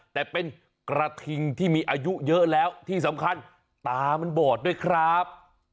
แต่เป็นกระทิงที่มีอายุเยอะแล้วที่สำคัญตามันบอดด้วยครับ